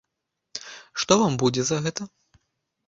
Што вам будзе за гэта?